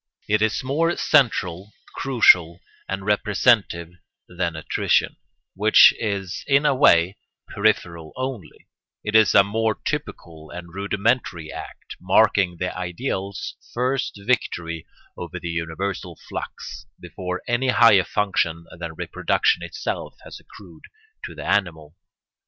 It is more central, crucial, and representative than nutrition, which is in a way peripheral only; it is a more typical and rudimentary act, marking the ideal's first victory over the universal flux, before any higher function than reproduction itself has accrued to the animal.